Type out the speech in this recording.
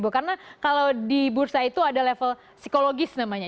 karena kalau di bursa itu ada level psikologis namanya